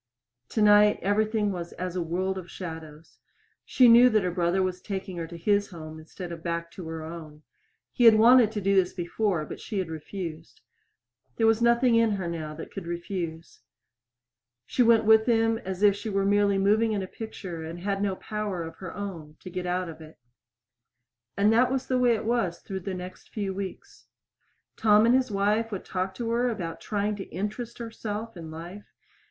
Tonight everything was as a world of shadows. She knew that her brother was taking her to his home instead of back to her own. He had wanted to do this before, but she had refused. There was nothing in her now that could refuse. She went with him as if she were merely moving in a picture and had no power of her own to get out of it. And that was the way it was through the next few weeks. Tom and his wife would talk to her about trying to interest herself in life.